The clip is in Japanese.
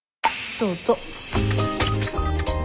どうぞ。